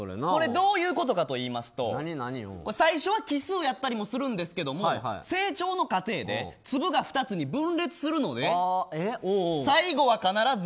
どういうことかといいますと最初は奇数やったりもするんですけど成長の過程で粒が２つに分裂するので最後は必ず。